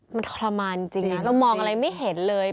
มันทรมานจริงนะเรามองอะไรไม่เห็นเลย